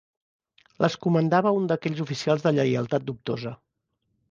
Les comandava un d'aquells oficials de lleialtat dubtosa